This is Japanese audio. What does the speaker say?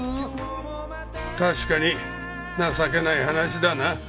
確かに情けない話だな。